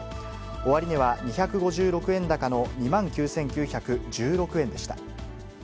終値は２５６円高の２万９９１６円でした。